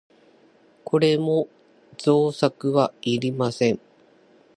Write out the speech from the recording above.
これも造作はいりません。